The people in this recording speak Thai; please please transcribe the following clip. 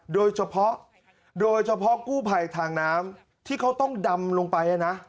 โดยเฉพาะกู้ไผ่ทางน้ำที่เขาต้องดำลงไปนะ